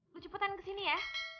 gue cepetan kesini ya